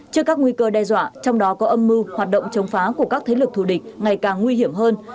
trước các nguy cơ đe dọa trong đó có âm mưu hoạt động chống phá của các thế lực thù địch ngày càng nguy hiểm hơn